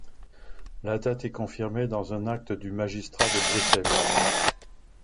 La date est confirmée dans un acte du du magistrat de Bruxelles.